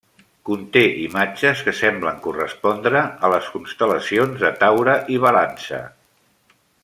Conté imatges que semblen correspondre a les constel·lacions de Taure i Balança.